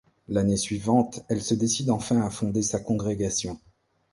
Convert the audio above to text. L'année suivante, elle se décide enfin à fonder sa congrégation.